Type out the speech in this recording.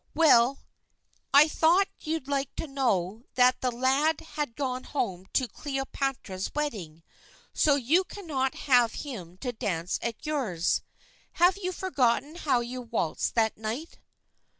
"Well, I thought you'd like to know that the lad had gone home to Cleopatra's wedding, so you cannot have him to dance at yours. Have you forgotten how you waltzed that night?"